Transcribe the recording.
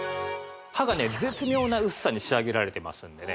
刃がね絶妙な薄さに仕上げられてますんでね